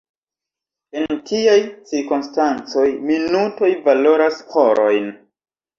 En tiaj cirkonstancoj minutoj valoras horojn.